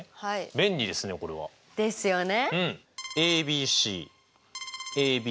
便利ですねこれは。ですよね。